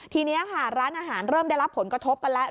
ทีนี้ค่ะร้านอาหารเริ่มได้รับผลกระทบกันแล้ว